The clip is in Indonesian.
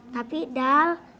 tapi dal zal